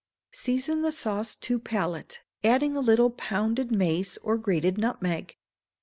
Season the sauce to palate, adding a little pounded mace or grated nutmeg.